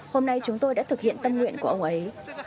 hôm nay chúng tôi đã thực hiện tâm nguyện của ông ấy